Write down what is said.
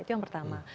itu yang pertama